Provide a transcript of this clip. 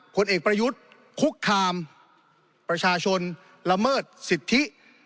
ผลเอกประยุทธ์คุกคามประชาชนละเมิดสิทธิ